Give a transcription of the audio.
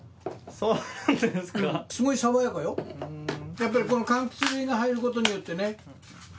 やっぱり柑橘類が入ることによってね